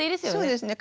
そうですね。